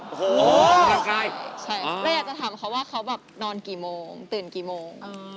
โอ้โหแม่อยากจะถามเขาว่าเขาแบบนอนกี่โมงตื่นกี่โมง